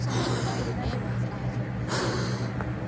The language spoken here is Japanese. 倍で大丈夫です。